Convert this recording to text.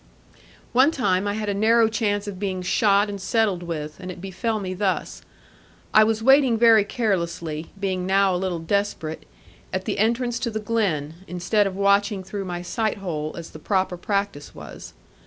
One time I had a narrow chance of being shot and settled with; and it befell me thus. I was waiting very carelessly, being now a little desperate, at the entrance to the glen, instead of watching through my sight hole, as the proper practice was.